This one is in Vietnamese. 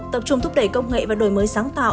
tập trung thúc đẩy công nghệ và đổi mới sáng tạo